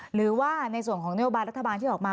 หรือว่าในส่วนของนโยบายรัฐบาลที่ออกมา